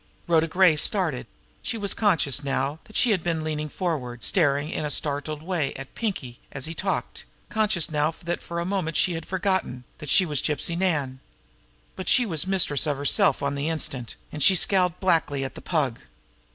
Rhoda Gray started. She was conscious now that she had been leaning forward, staring in a startled way at Pinkie as he talked; conscious now that for a moment she had forgotten that she was Gypsy Nan. But she was mistress of herself on the instant, and she scowled blackly at the Pug.